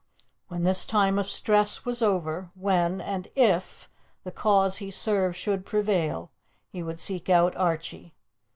When this time of stress was over, when and if the cause he served should prevail, he would seek out Archie.